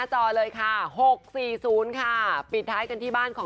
ค่ะเรทเด็ดอะไรสี่มาแรงแน่นอน